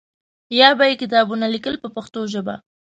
یا به یې کتابونه لیکل په پښتو ژبه.